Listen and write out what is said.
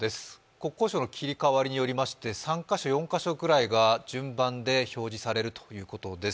国交省の切り替わりによりまして３か所、４か所ぐらいが順番で表示されるということです。